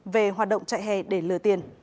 về hoạt động chạy hè để lừa tiền